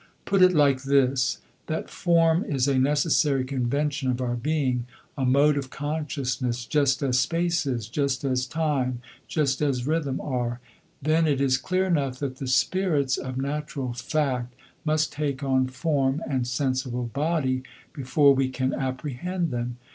Put it like this, that form is a necessary convention of our being, a mode of consciousness just as space is, just as time, just as rhythm are; then it is clear enough that the spirits of natural fact must take on form and sensible body before we can apprehend them.